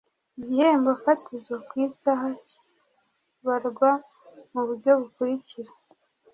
Igihembo fatizo ku isaha kibarwa mu buryo bukurikira